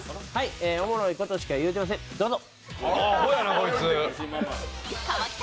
おもろいことしか言うてません、どうぞ。